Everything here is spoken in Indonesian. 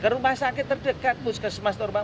ke rumah sakit terdekat ke semas terdekat